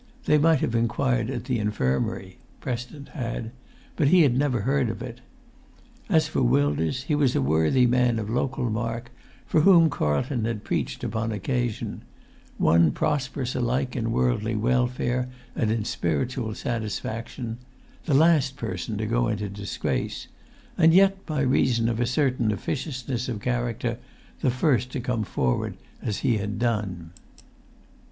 They might have inquired at the infirmary (Preston had), but he had never heard of it. As for Wilders, he was a worthy man of local mark, for whom Carlton had preached upon occasion; one prosperous alike in worldly welfare and in spiritual satisfaction; the last person to go into disgrace; and yet, by reason of a certain[Pg 146] officiousness of character, the first to come forward as he had done.